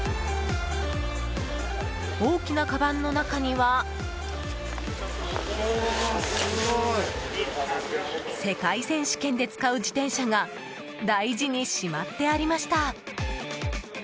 大きなかばんの中には世界選手権で使う自転車が大事にしまってありました。